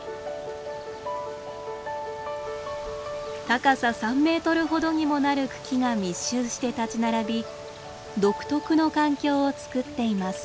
高さ３メートルほどにもなる茎が密集して立ち並び独特の環境をつくっています。